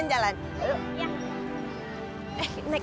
macam apa io dengas p)( yang tersanggung